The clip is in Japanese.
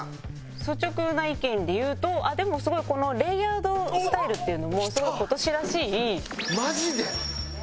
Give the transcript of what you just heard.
率直な意見で言うとあっでもすごいこのレイヤードスタイルっていうのもすごい今年らしい。